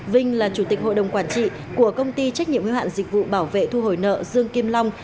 vinh là chủ tịch hội đồng quản trị của công ty trách nhiệm hưu hạn dịch vụ bảo vệ thu hồi nợ dương kim long